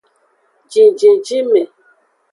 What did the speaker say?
Jinjinjinme.